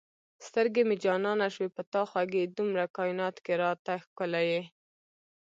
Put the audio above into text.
سترګې مې جانانه شوې په تا خوږې دومره کاینات کې را ته ښکلی یې